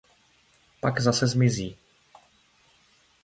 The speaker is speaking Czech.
Pak zase zmizí.